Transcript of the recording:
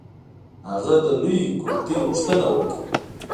هغه د لویې کرتۍ غوښتنه وکړه.